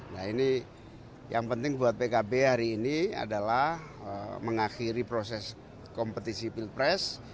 nah ini yang penting buat pkb hari ini adalah mengakhiri proses kompetisi pilpres